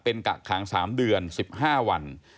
เป็นกักขัง๓เดือน๑๕วัน